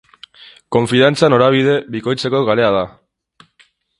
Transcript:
Konfidantza norabide bikoitzeko kalea da.